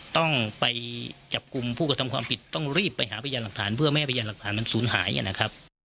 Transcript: ต้องไปจับกลุ่มผู้กระทำความผิดต้องรีบไปหาพยานหลักฐานเพื่อไม่ให้พยานหลักฐานมันสูญหายนะครับ